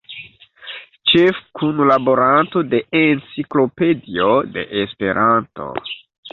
Ĉefkunlaboranto de "Enciklopedio de Esperanto".